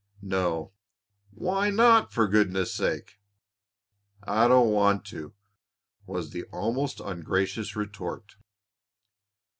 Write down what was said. "No!" "Why not, for goodness' sake?" "I don't want to," was the almost ungracious retort.